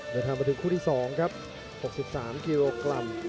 และทางมาถึงคู่ที่สองครับ๖๓กิโลกรัม